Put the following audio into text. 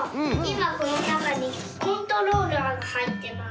まこのなかにコントローラーがはいってます。